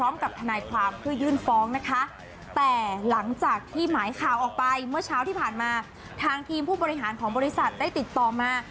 เมื่อเช้าที่ผ่านมาทางทีมผู้บริหารของบริษัทได้ติดต่อมา